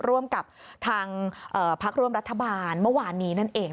ร่วมกับทางพักร่วมรัฐบาลเมื่อวานนี้นั่นเอง